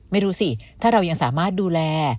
ไม่รู้สิถ้าเรายังสามารถดูแล